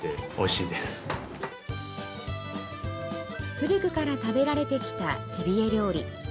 古くから食べられてきたジビエ料理。